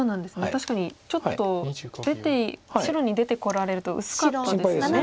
確かにちょっと白に出てこられると薄かったですよね。